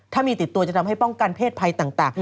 ถ้ามีติดตัวจะทำให้ป้องกันเพศภัยต่าง